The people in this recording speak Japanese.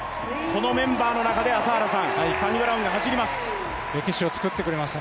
このメンバーの中でサニブラウンが走ります。